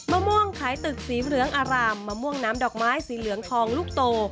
มะม่วงขายตึกสีเหลืองอารามมะม่วงน้ำดอกไม้สีเหลืองทองลูกโต